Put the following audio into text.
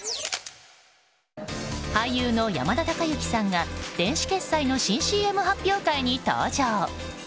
俳優の山田孝之さんが電子決済の新ＣＭ発表会に登場。